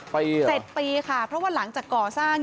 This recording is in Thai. ๗ปีค่ะเพราะว่าหลังจากก่อสร้าง